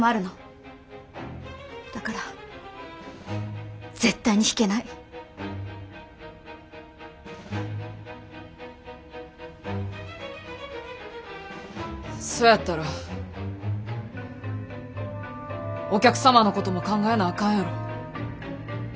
だから絶対に引けない。そやったらお客様のことも考えなあかんやろ。